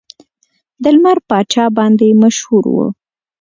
د لمر پاچا باندې مشهور و.